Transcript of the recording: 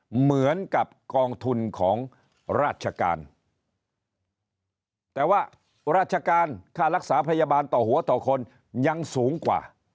เหมือนกับกองทุนของราชการแต่ว่าราชการค่ารักษาพยาบาลต่อหัวต่อคนยังสูงกว่า